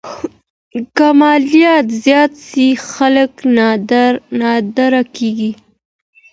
که مالیات زیات سي خلګ ناړه کیږي.